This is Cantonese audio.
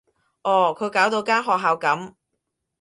哦，佢搞到間學校噉